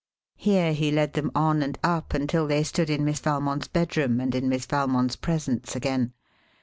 Here he led them on and up until they stood in Miss Valmond's bedroom and in Miss Valmond's presence again.